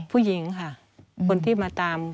ผู้หญิงค่ะคนที่มาตาม